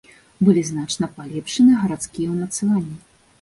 Былі значна палепшаны гарадскія ўмацаванні.